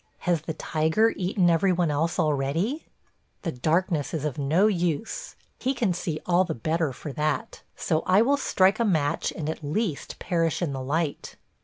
Has the tiger eaten every one else already? ... The darkness is of no use; he can see all the better for that; so I will strike a match and at least perish in the light.